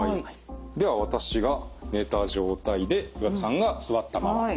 では私が寝た状態で岩田さんが座ったままで。